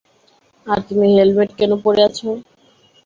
আর তুমি হেলমেট কেন পড়ে আছ?